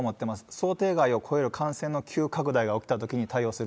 想定外を超える感染の急拡大が起きたときに対応する。